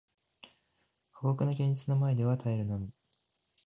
過酷な現実の前では耐えるのみ